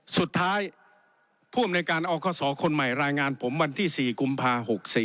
สุดท้ายผู้อำนวยการอคศคนใหม่รายงานผมวันที่๔กุมภา๖๔